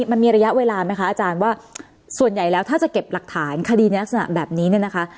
มันมีระยะเวลาไหมคะอาจารย์ว่าส่วนใหญ่แล้วถ้าจะเก็บหลักฐานคดีในลักษณะแบบนี้เนี่ยนะคะ